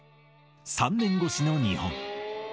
３年越しの日本。